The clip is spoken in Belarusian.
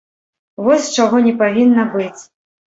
Вось чаго не павінна быць!